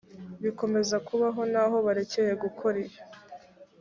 bikomeza kubaho n aho barekeye gukora iyo